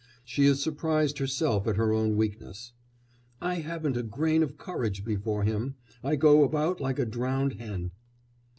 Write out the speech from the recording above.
She is surprised herself at her own weakness: "I haven't a grain of courage before him. I go about like a drowned hen."